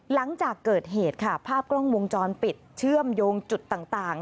หลังจากเกิดเหตุค่ะภาพกล้องวงจรปิดเชื่อมโยงจุดต่าง